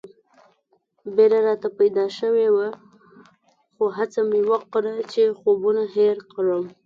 بېره راته پیدا شوې وه خو هڅه مې وکړه چې خوبونه هېر کړم.